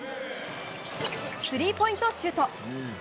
スリーポイントシュート。